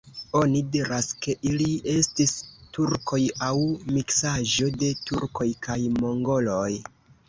Oni diras, ke ili estis turkoj aŭ miksaĵo de turkoj kaj mongoloj.